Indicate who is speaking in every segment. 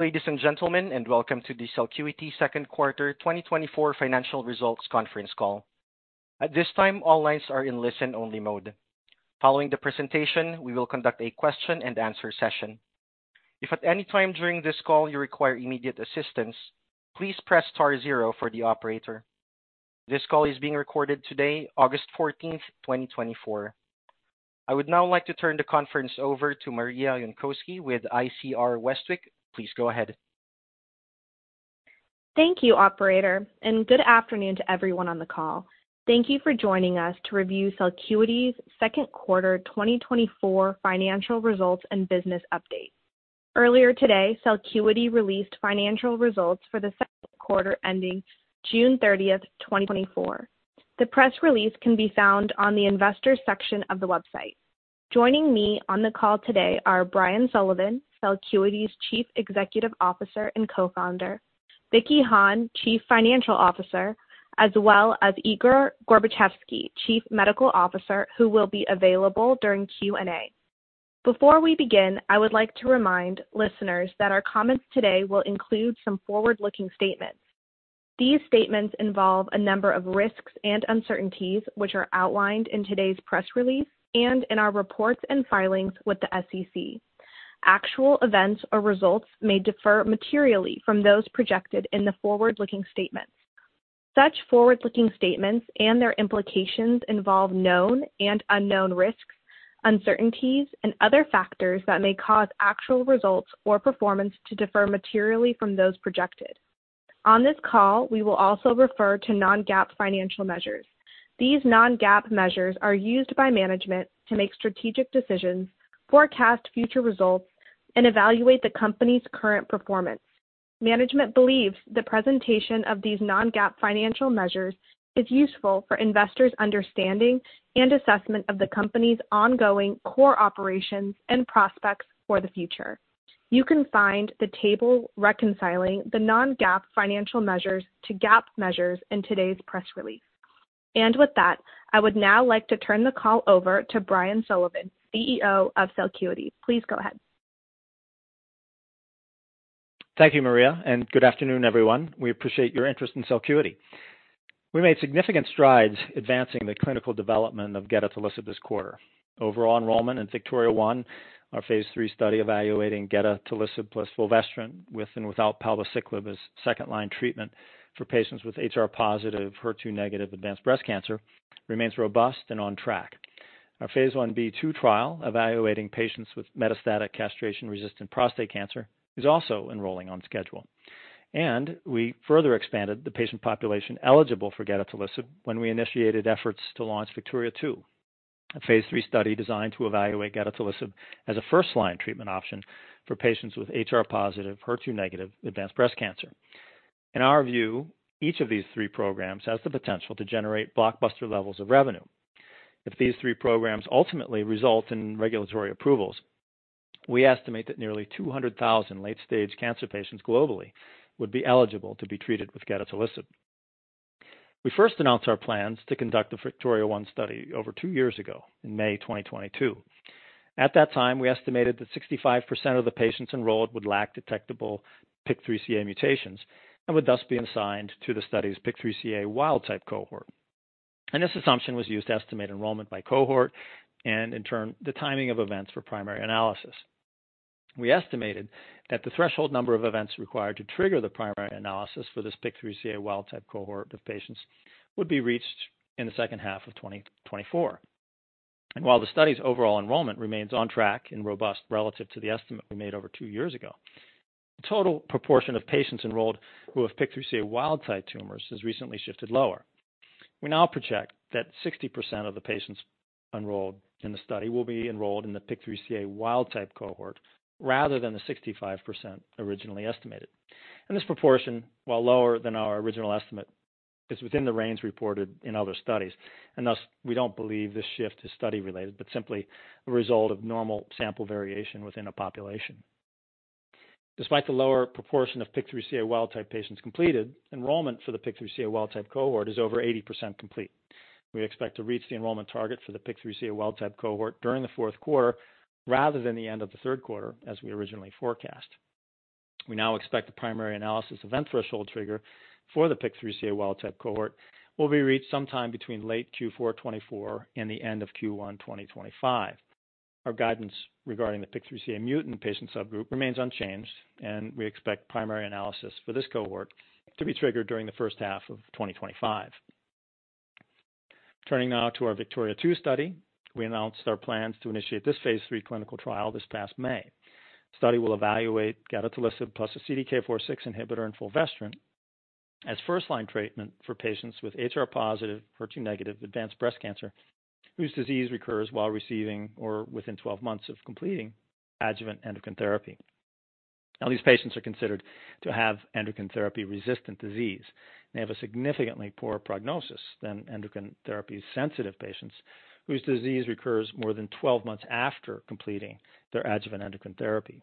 Speaker 1: Ladies and gentlemen, and welcome to the Celcuity second quarter 2024 financial results conference call. At this time, all lines are in listen-only mode. Following the presentation, we will conduct a question and answer session. If at any time during this call you require immediate assistance, please press star zero for the operator. This call is being recorded today, August 14, 2024. I would now like to turn the conference over to Maria Yonkoski with ICR Westwicke. Please go ahead.
Speaker 2: Thank you, operator, and good afternoon to everyone on the call. Thank you for joining us to review Celcuity's second quarter 2024 financial results and business update. Earlier today, Celcuity released financial results for the second quarter ending June 30, 2024. The press release can be found on the investor section of the website. Joining me on the call today are Brian Sullivan, Celcuity's Chief Executive Officer and Co-founder, Vicky Hahne, Chief Financial Officer, as well as Igor Gorbatchevsky, Chief Medical Officer, who will be available during Q&A. Before we begin, I would like to remind listeners that our comments today will include some forward-looking statements. These statements involve a number of risks and uncertainties, which are outlined in today's press release and in our reports and filings with the SEC. Actual events or results may differ materially from those projected in the forward-looking statements. Such forward-looking statements and their implications involve known and unknown risks, uncertainties, and other factors that may cause actual results or performance to differ materially from those projected. On this call, we will also refer to non-GAAP financial measures. These non-GAAP measures are used by management to make strategic decisions, forecast future results, and evaluate the Company's current performance. Management believes the presentation of these non-GAAP financial measures is useful for investors' understanding and assessment of the Company's ongoing core operations and prospects for the future. You can find the table reconciling the non-GAAP financial measures to GAAP measures in today's press release. With that, I would now like to turn the call over to Brian Sullivan, CEO of Celcuity. Please go ahead.
Speaker 3: Thank you, Maria, and good afternoon, everyone. We appreciate your interest in Celcuity. We made significant strides advancing the clinical development of gedatolisib this quarter. Overall enrollment in VIKTORIA-1, our phase III study evaluating gedatolisib plus fulvestrant, with and without palbociclib as second-line treatment for patients with HR-positive, HER2-negative advanced breast cancer, remains robust and on track. Our phase 1b trial, evaluating patients with metastatic castration-resistant prostate cancer, is also enrolling on schedule. And we further expanded the patient population eligible for gedatolisib when we initiated efforts to launch VIKTORIA-2, a phase III study designed to evaluate gedatolisib as a first-line treatment option for patients with HR-positive, HER2-negative advanced breast cancer. In our view, each of these three programs has the potential to generate blockbuster levels of revenue. If these three programs ultimately result in regulatory approvals, we estimate that nearly 200,000 late-stage cancer patients globally would be eligible to be treated with gedatolisib. We first announced our plans to conduct the VIKTORIA-1 study over two years ago, in May 2022. At that time, we estimated that 65% of the patients enrolled would lack detectable PIK3CA mutations and would thus be assigned to the study's PIK3CA wild type cohort. This assumption was used to estimate enrollment by cohort and in turn, the timing of events for primary analysis. We estimated that the threshold number of events required to trigger the primary analysis for this PIK3CA wild type cohort of patients would be reached in the second half of 2024. While the study's overall enrollment remains on track and robust relative to the estimate we made over 2 years ago, the total proportion of patients enrolled who have PIK3CA wild type tumors has recently shifted lower. We now project that 60% of the patients enrolled in the study will be enrolled in the PIK3CA wild type cohort, rather than the 65% originally estimated. This proportion, while lower than our original estimate, is within the range reported in other studies, and thus, we don't believe this shift is study-related, but simply a result of normal sample variation within a population. Despite the lower proportion of PIK3CA wild type patients completed, enrollment for the PIK3CA wild type cohort is over 80% complete. We expect to reach the enrollment target for the PIK3CA wild type cohort during the fourth quarter rather than the end of the third quarter, as we originally forecast. We now expect the primary analysis event threshold trigger for the PIK3CA wild type cohort will be reached sometime between late Q4 2024 and the end of Q1 2025. Our guidance regarding the PIK3CA mutant patient subgroup remains unchanged, and we expect primary analysis for this cohort to be triggered during the first half of 2025. Turning now to our VIKTORIA-2 study. We announced our plans to initiate this phase 3 clinical trial this past May. The study will evaluate gedatolisib plus a CDK4/6 inhibitor and fulvestrant as first-line treatment for patients with HR-positive, HER2-negative advanced breast cancer, whose disease recurs while receiving or within 12 months of completing adjuvant endocrine therapy. Now, these patients are considered to have endocrine therapy-resistant disease. They have a significantly poorer prognosis than endocrine therapy-sensitive patients, whose disease recurs more than 12 months after completing their adjuvant endocrine therapy.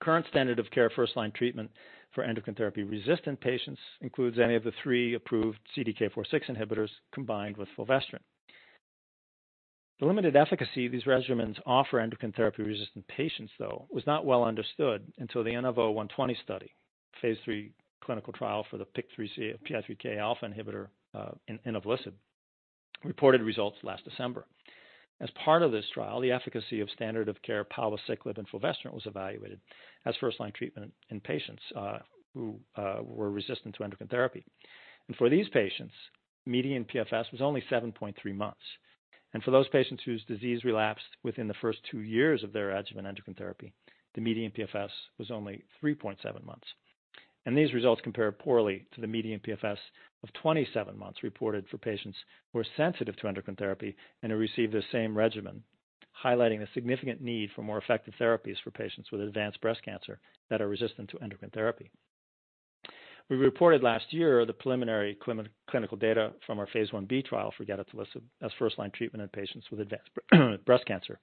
Speaker 3: Current standard of care first-line treatment for endocrine therapy-resistant patients includes any of the 3 approved CDK4/6 inhibitors combined with fulvestrant. The limited efficacy these regimens offer endocrine therapy-resistant patients, though, was not well understood until the INAVO120 study, phase III clinical trial for the PIK3CA PI3K alpha inhibitor, inavolisib, reported results last December. As part of this trial, the efficacy of standard of care palbociclib and fulvestrant was evaluated as first-line treatment in patients who were resistant to endocrine therapy. And for these patients, median PFS was only 7.3 months. For those patients whose disease relapsed within the first two years of their adjuvant endocrine therapy, the median PFS was only 3.7 months. These results compared poorly to the median PFS of 27 months, reported for patients who are sensitive to endocrine therapy and who received the same regimen, highlighting the significant need for more effective therapies for patients with advanced breast cancer that are resistant to endocrine therapy. We reported last year the preliminary clinical data from our Phase 1b trial for gedatolisib as first-line treatment in patients with advanced breast cancer.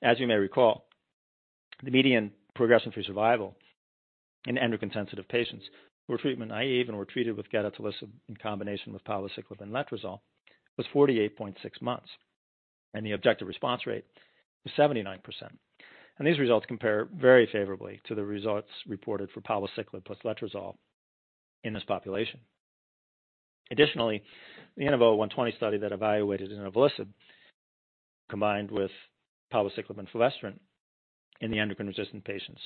Speaker 3: As you may recall, the median progression-free survival in endocrine-sensitive patients who were treatment-naive and were treated with gedatolisib in combination with palbociclib and letrozole, was 48.6 months, and the objective response rate was 79%. These results compare very favorably to the results reported for palbociclib plus letrozole in this population. Additionally, the INAVO120 study that evaluated inavolisib, combined with palbociclib and fulvestrant in the endocrine-resistant patients,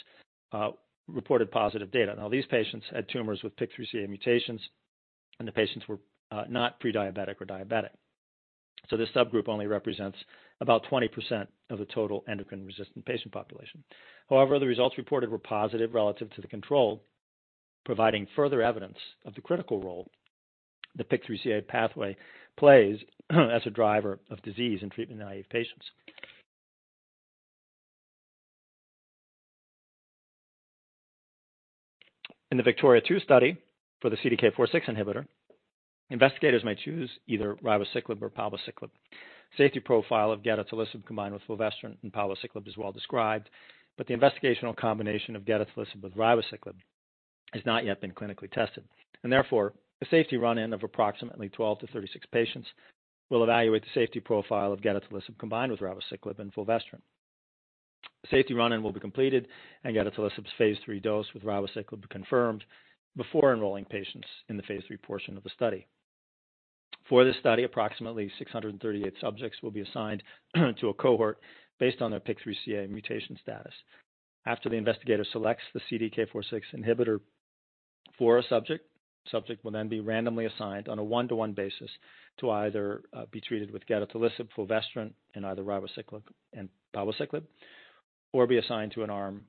Speaker 3: reported positive data. Now, these patients had tumors with PIK3CA mutations, and the patients were not pre-diabetic or diabetic. So this subgroup only represents about 20% of the total endocrine-resistant patient population. However, the results reported were positive relative to the control, providing further evidence of the critical role the PIK3CA pathway plays as a driver of disease in treatment-naive patients. In the VIKTORIA-2 study for the CDK4/6 inhibitor, investigators may choose either ribociclib or palbociclib. Safety profile of gedatolisib combined with fulvestrant and palbociclib is well described, but the investigational combination of gedatolisib with ribociclib has not yet been clinically tested. Therefore, a safety run-in of approximately 12-36 patients will evaluate the safety profile of gedatolisib combined with ribociclib and fulvestrant. Safety run-in will be completed, and gedatolisib's phase III dose with ribociclib confirmed before enrolling patients in the phase III portion of the study. For this study, approximately 638 subjects will be assigned to a cohort based on their PIK3CA mutation status. After the investigator selects the CDK4/6 inhibitor for a subject, subject will then be randomly assigned on a 1:1 basis to either be treated with gedatolisib, fulvestrant, and either ribociclib and palbociclib, or be assigned to an arm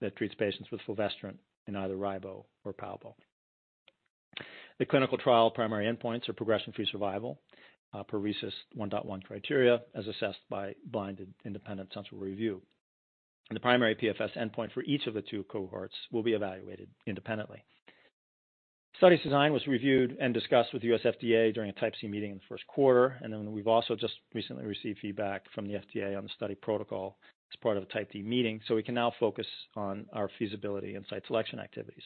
Speaker 3: that treats patients with fulvestrant in either ribo or palbo. The clinical trial primary endpoints are progression-free survival per RECIST 1.1 criteria, as assessed by Blinded Independent Central Review. The primary PFS endpoint for each of the two cohorts will be evaluated independently. The study's design was reviewed and discussed with the U.S. FDA during a Type C meeting in the first quarter, and then we've also just recently received feedback from the FDA on the study protocol as part of a Type D meeting, so we can now focus on our feasibility and site selection activities.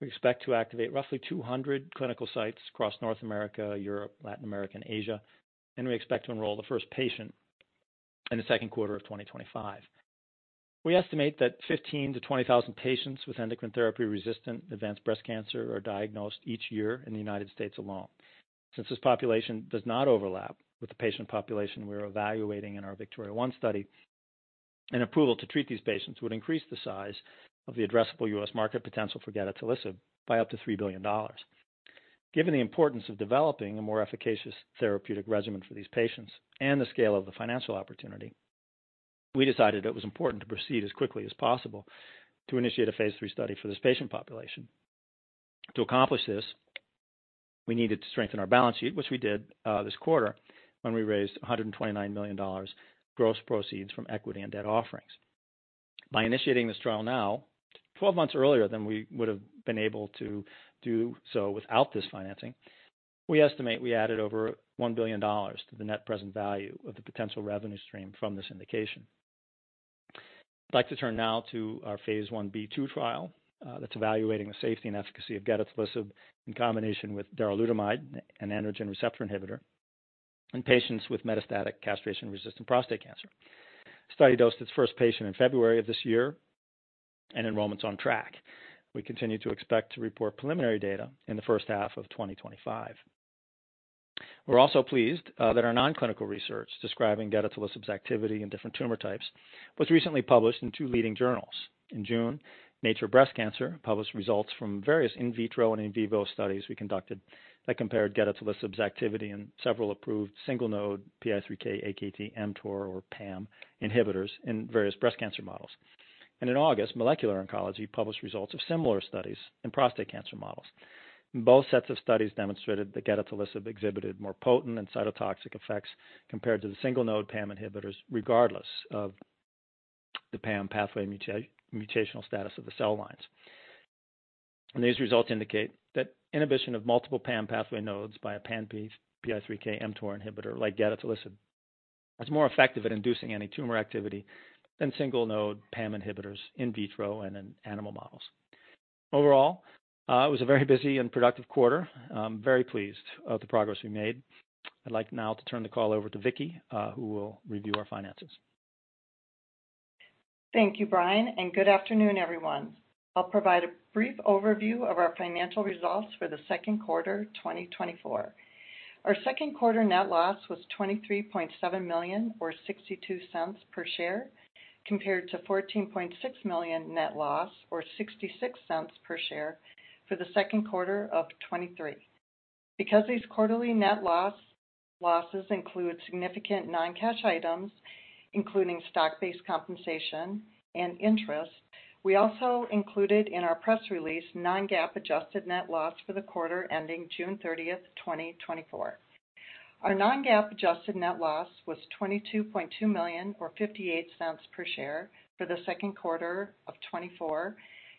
Speaker 3: We expect to activate roughly 200 clinical sites across North America, Europe, Latin America, and Asia, and we expect to enroll the first patient in the second quarter of 2025. We estimate that 15,000-20,000 patients with endocrine therapy-resistant advanced breast cancer are diagnosed each year in the United States alone. Since this population does not overlap with the patient population we are evaluating in our VIKTORIA-1 study, an approval to treat these patients would increase the size of the addressable U.S. market potential for gedatolisib by up to $3 billion. Given the importance of developing a more efficacious therapeutic regimen for these patients and the scale of the financial opportunity, we decided it was important to proceed as quickly as possible to initiate a phase III study for this patient population. To accomplish this, we needed to strengthen our balance sheet, which we did this quarter when we raised $129 million gross proceeds from equity and debt offerings. By initiating this trial now, 12 months earlier than we would have been able to do so without this financing, we estimate we added over $1 billion to the net present value of the potential revenue stream from this indication. I'd like to turn now to our phase 1b/2 trial, that's evaluating the safety and efficacy of gedatolisib in combination with darolutamide, an androgen receptor inhibitor, in patients with metastatic castration-resistant prostate cancer. The study dosed its first patient in February of this year, and enrollment's on track. We continue to expect to report preliminary data in the first half of 2025. We're also pleased, that our non-clinical research describing gedatolisib's activity in different tumor types, was recently published in two leading journals. In June, Nature Breast Cancer published results from various in vitro and in vivo studies we conducted that compared gedatolisib's activity in several approved single-node PI3K, AKT, mTOR, or PAM inhibitors in various breast cancer models. In August, Molecular Oncology published results of similar studies in prostate cancer models. Both sets of studies demonstrated that gedatolisib exhibited more potent and cytotoxic effects compared to the single-node PAM inhibitors, regardless of the PAM pathway mutational status of the cell lines. These results indicate that inhibition of multiple PAM pathway nodes by a pan-PI3K/mTOR inhibitor, like gedatolisib, is more effective at inducing antitumor activity than single-node PAM inhibitors in vitro and in animal models. Overall, it was a very busy and productive quarter. I'm very pleased of the progress we made. I'd like now to turn the call over to Vicky, who will review our finances.
Speaker 4: Thank you, Brian, and good afternoon, everyone. I'll provide a brief overview of our financial results for the second quarter, 2024. Our second quarter net loss was $23.7 million, or $0.62 per share, compared to $14.6 million net loss, or $0.66 per share for the second quarter of 2023. Because these quarterly net losses include significant non-cash items, including stock-based compensation and interest, we also included in our press release non-GAAP adjusted net loss for the quarter ending June 30, 2024. Our non-GAAP adjusted net loss was $22.2 million or $0.58 per share for the second quarter of 2024,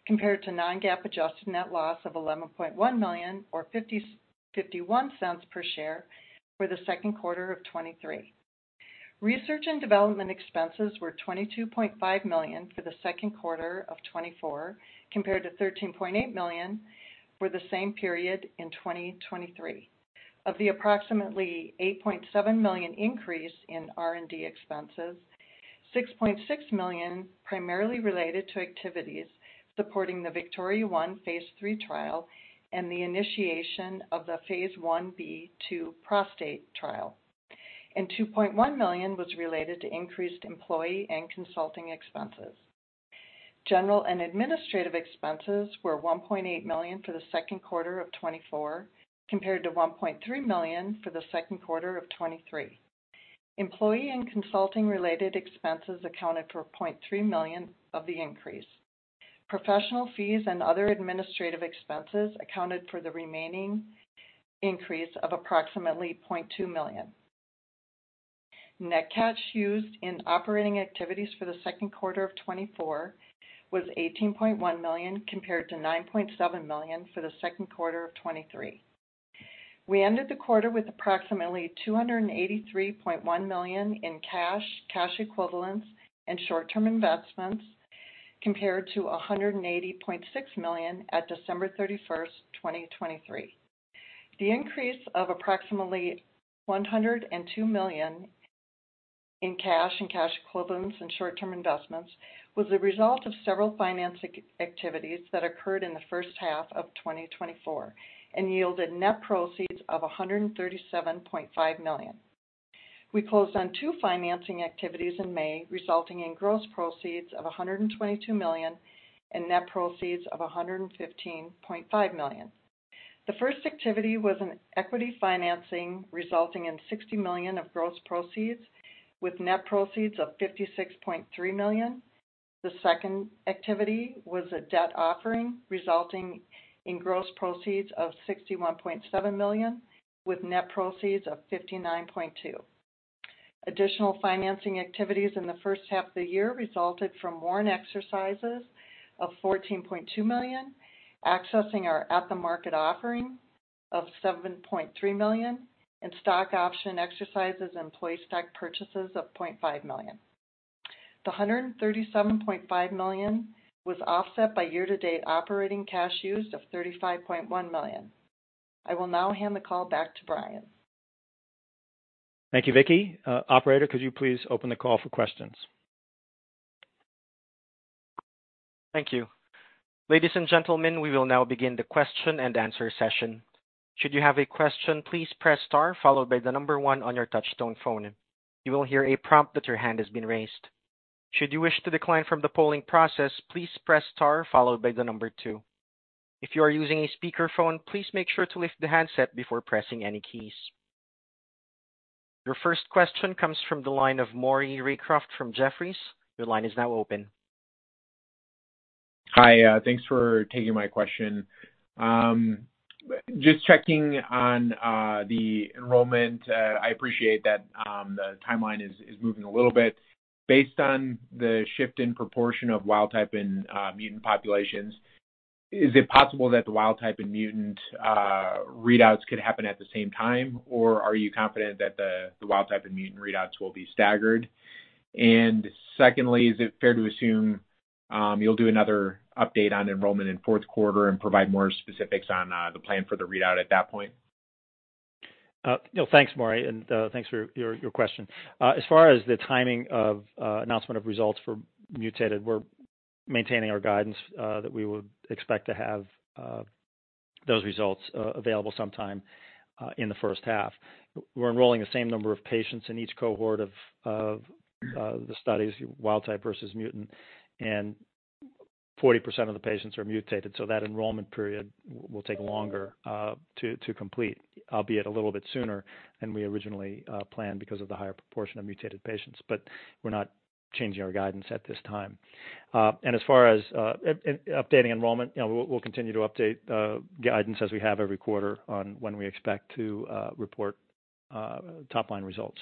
Speaker 4: compared to non-GAAP adjusted net loss of $11.1 million or $0.51 per share for the second quarter of 2023. Research and development expenses were $22.5 million for the second quarter of 2024, compared to $13.8 million for the same period in 2023. Of the approximately $8.7 million increase in R&D expenses, $6.6 million primarily related to activities supporting the VIKTORIA-1 phase III trial and the initiation of the phase 1b/2 prostate trial, and $2.1 million was related to increased employee and consulting expenses. General and administrative expenses were $1.8 million for the second quarter of 2024, compared to $1.3 million for the second quarter of 2023. Employee and consulting-related expenses accounted for $0.3 million of the increase. Professional fees and other administrative expenses accounted for the remaining increase of approximately $0.2 million. Net cash used in operating activities for the second quarter of 2024 was $18.1 million, compared to $9.7 million for the second quarter of 2023. We ended the quarter with approximately $283.1 million in cash, cash equivalents, and short-term investments, compared to $180.6 million at December 31, 2023. The increase of approximately $102 million in cash and cash equivalents and short-term investments was the result of several financing activities that occurred in the first half of 2024 and yielded net proceeds of $137.5 million. We closed on two financing activities in May, resulting in gross proceeds of $122 million and net proceeds of $115.5 million. The first activity was an equity financing, resulting in $60 million of gross proceeds with net proceeds of $56.3 million. The second activity was a debt offering, resulting in gross proceeds of $61.7 million, with net proceeds of $59.2 million. Additional financing activities in the first half of the year resulted from warrant exercises of $14.2 million, accessing our at-the-market offering of $7.3 million, and stock option exercises and employee stock purchases of $0.5 million. The $137.5 million was offset by year-to-date operating cash used of $35.1 million. I will now hand the call back to Brian.
Speaker 3: Thank you, Vicky. Operator, could you please open the call for questions?
Speaker 1: Thank you. Ladies and gentlemen, we will now begin the question-and-answer session. Should you have a question, please press star followed by one on your touchtone phone. You will hear a prompt that your hand has been raised. Should you wish to decline from the polling process, please press star followed by two. If you are using a speakerphone, please make sure to lift the handset before pressing any keys. Your first question comes from the line of Maury Raycroft from Jefferies. Your line is now open.
Speaker 5: Hi, thanks for taking my question. Just checking on the enrollment, I appreciate that the timeline is moving a little bit. Based on the shift in proportion of wild type and mutant populations, is it possible that the wild type and mutant readouts could happen at the same time, or are you confident that the wild type and mutant readouts will be staggered? And secondly, is it fair to assume you'll do another update on enrollment in fourth quarter and provide more specifics on the plan for the readout at that point?
Speaker 3: You know, thanks, Maury, and thanks for your question. As far as the timing of announcement of results for mutated, we're maintaining our guidance that we would expect to have those results available sometime in the first half. We're enrolling the same number of patients in each cohort of the studies, wild type versus mutant, and 40% of the patients are mutated, so that enrollment period will take longer to complete, albeit a little bit sooner than we originally planned because of the higher proportion of mutated patients. But we're not changing our guidance at this time. And as far as updating enrollment, you know, we'll continue to update guidance as we have every quarter on when we expect to report top-line results.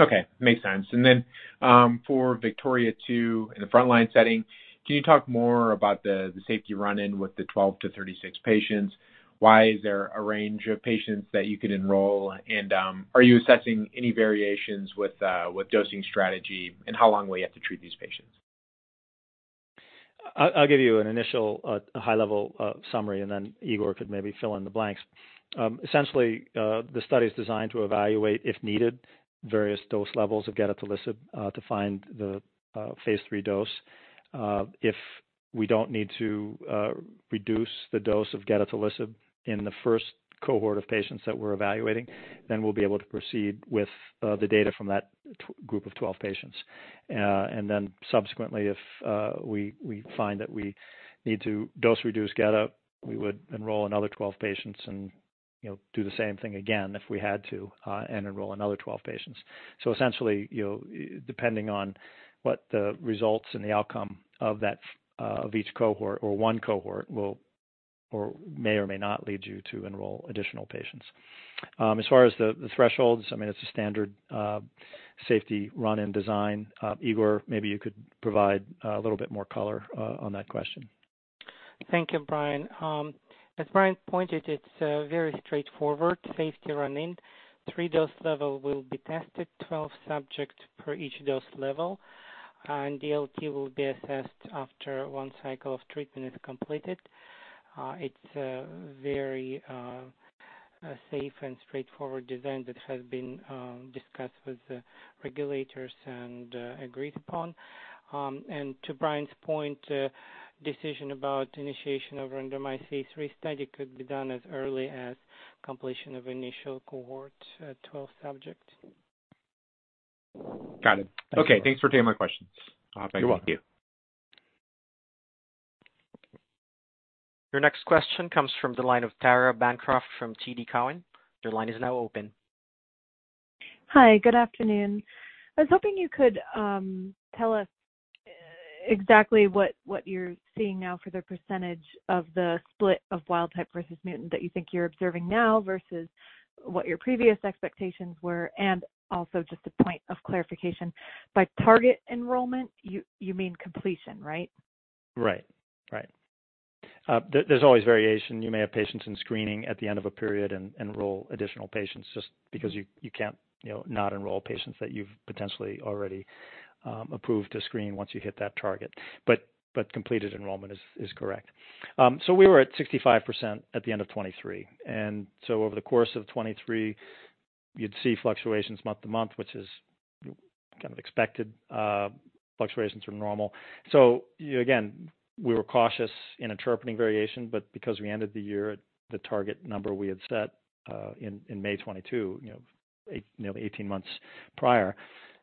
Speaker 5: Okay, makes sense. And then, for VIKTORIA-2 in the frontline setting, can you talk more about the safety run-in with the 12-36 patients? Why is there a range of patients that you could enroll? And, are you assessing any variations with dosing strategy, and how long will you have to treat these patients?
Speaker 3: I'll give you an initial, a high level, summary, and then Igor could maybe fill in the blanks. Essentially, the study is designed to evaluate, if needed, various dose levels of gedatolisib, to find the phase three dose. If we don't need to reduce the dose of gedatolisib in the first cohort of patients that we're evaluating, then we'll be able to proceed with the data from that group of 12 patients. And then subsequently, if we find that we need to dose reduce geda, we would enroll another 12 patients and, you know, do the same thing again if we had to, and enroll another 12 patients. So essentially, you know, depending on what the results and the outcome of that, of each cohort or one cohort will or may or may not lead you to enroll additional patients. As far as the, the thresholds, I mean, it's a standard, safety run and design. Igor, maybe you could provide a little bit more color on that question.
Speaker 6: Thank you, Brian. As Brian pointed, it's very straightforward. Safety run-in, 3 dose level will be tested, 12 subjects per each dose level, and DLT will be assessed after 1 cycle of treatment is completed. It's a very safe and straightforward design that has been discussed with the regulators and agreed upon. And to Brian's point, decision about initiation of random phase III study could be done as early as completion of initial cohort, 12 subject.
Speaker 5: Got it. Okay, thanks for taking my questions.
Speaker 3: You're welcome.
Speaker 1: Your next question comes from the line of Tara Bancroft from TD Cowen. Your line is now open.
Speaker 7: Hi, good afternoon. I was hoping you could tell us exactly what you're seeing now for the percentage of the split of wild type versus mutant that you think you're observing now, versus what your previous expectations were, and also just a point of clarification, by target enrollment, you mean completion, right?
Speaker 3: Right. Right. There, there's always variation. You may have patients in screening at the end of a period and enroll additional patients just because you can't, you know, not enroll patients that you've potentially already approved to screen once you hit that target. But completed enrollment is correct. So we were at 65% at the end of 2023, and so over the course of 2023, you'd see fluctuations month to month, which is kind of expected. Fluctuations are normal. So, again, we were cautious in interpreting variation, but because we ended the year at the target number we had set in May 2022, you know, nearly 18 months prior,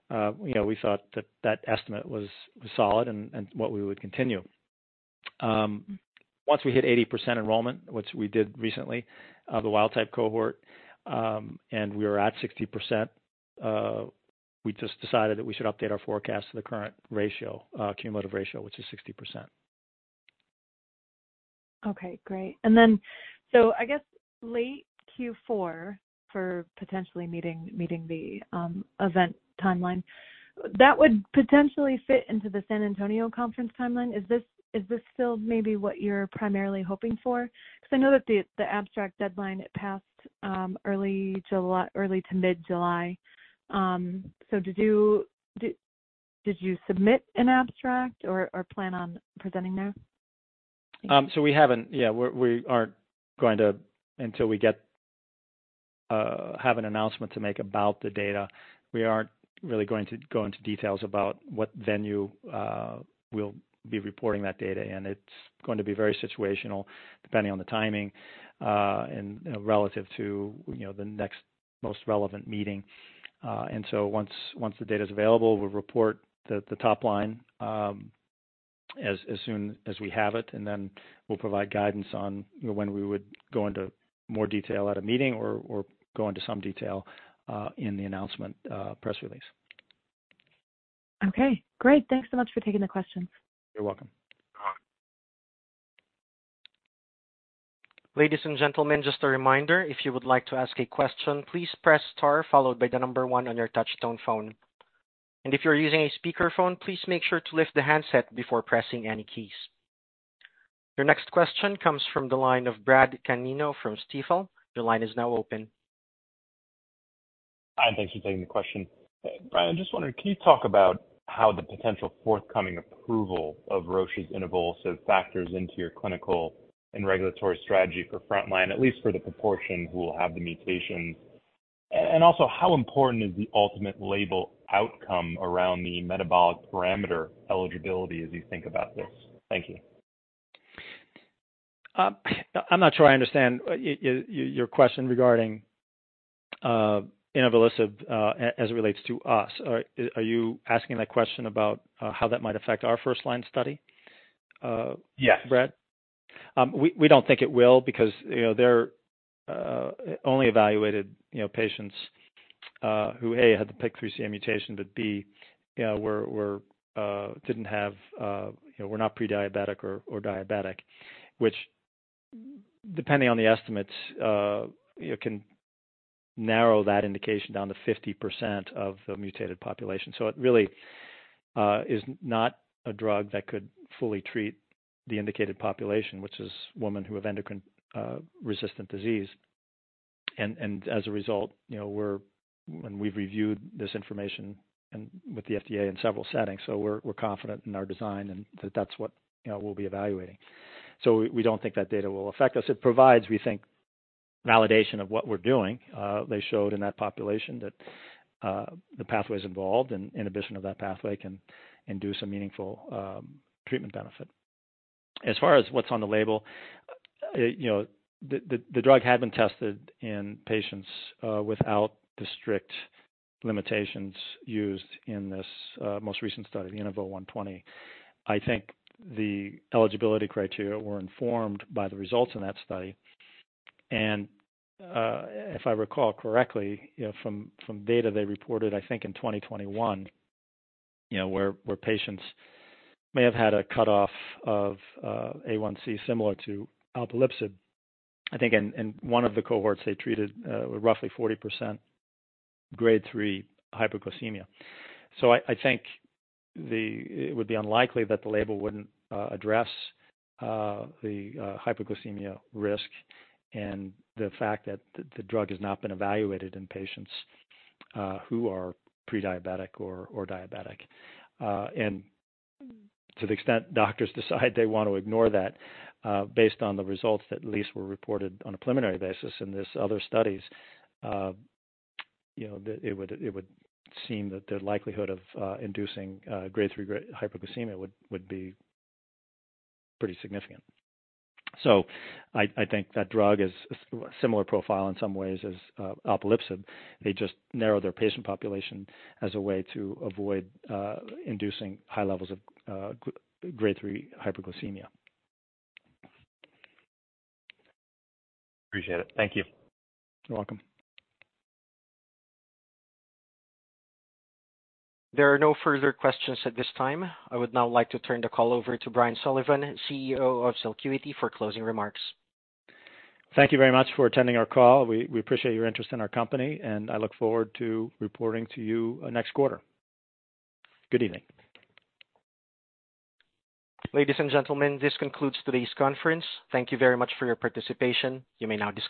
Speaker 3: you know, we thought that that estimate was solid and what we would continue. Once we hit 80% enrollment, which we did recently, the wild type cohort, and we were at 60%, we just decided that we should update our forecast to the current ratio, cumulative ratio, which is 60%.
Speaker 7: Okay, great. And then, so I guess late Q4 for potentially meeting the event timeline, that would potentially fit into the San Antonio conference timeline. Is this still maybe what you're primarily hoping for? Because I know that the abstract deadline it passed early July, early to mid-July. So did you submit an abstract or plan on presenting there?
Speaker 3: So, we aren't going to, until we have an announcement to make about the data, we aren't really going to go into details about what venue we'll be reporting that data. And it's going to be very situational, depending on the timing and, you know, relative to, you know, the next most relevant meeting. And so once the data is available, we'll report the top line as soon as we have it, and then we'll provide guidance on when we would go into more detail at a meeting or go into some detail in the announcement press release.
Speaker 7: Okay, great. Thanks so much for taking the questions.
Speaker 3: You're welcome.
Speaker 1: Ladies and gentlemen, just a reminder, if you would like to ask a question, please press star followed by the number 1 on your touchtone phone. If you're using a speakerphone, please make sure to lift the handset before pressing any keys. Your next question comes from the line of Brad Canino from Stifel. Your line is now open.
Speaker 8: Hi, thanks for taking the question. Brian, I just wondered, can you talk about how the potential forthcoming approval of Roche's inavolisib. So factors into your clinical and regulatory strategy for frontline, at least for the proportion who will have the mutations? And also, how important is the ultimate label outcome around the metabolic parameter eligibility as you think about this? Thank you.
Speaker 3: I'm not sure I understand your question regarding inavolisib as it relates to us. Are you asking that question about how that might affect our first line study?
Speaker 8: Yes.
Speaker 3: Brad? We don't think it will because, you know, they're only evaluated patients who A, had the PIK3CA mutation, but B, were not pre-diabetic or diabetic, which, depending on the estimates, it can narrow that indication down to 50% of the mutated population. So it really is not a drug that could fully treat the indicated population, which is women who have endocrine-resistant disease. As a result, you know, we've reviewed this information and with the FDA in several settings, so we're confident in our design and that that's what we'll be evaluating. So we don't think that data will affect us. It provides, we think, validation of what we're doing. They showed in that population that the pathways involved and inhibition of that pathway can induce some meaningful treatment benefit. As far as what's on the label, you know, the drug had been tested in patients without the strict limitations used in this most recent study, the INAVO120. I think the eligibility criteria were informed by the results in that study. If I recall correctly, you know, from data they reported, I think in 2021, you know, where patients may have had a cutoff of A1C, similar to alpelisib. I think in one of the cohorts they treated were roughly 40% grade 3 hypoglycemia. So I think it would be unlikely that the label wouldn't address the hypoglycemia risk and the fact that the drug has not been evaluated in patients who are pre-diabetic or diabetic. And to the extent doctors decide they want to ignore that, based on the results that at least were reported on a preliminary basis in this other studies, you know, that it would seem that the likelihood of inducing grade 3 hypoglycemia would be pretty significant. So I think that drug is a similar profile in some ways as alpelisib. They just narrow their patient population as a way to avoid inducing high levels of grade 3 hypoglycemia.
Speaker 8: Appreciate it. Thank you.
Speaker 3: You're welcome.
Speaker 1: There are no further questions at this time. I would now like to turn the call over to Brian Sullivan, CEO of Celcuity, for closing remarks.
Speaker 3: Thank you very much for attending our call. We appreciate your interest in our company, and I look forward to reporting to you next quarter. Good evening.
Speaker 1: Ladies and gentlemen, this concludes today's conference. Thank you very much for your participation. You may now disconnect.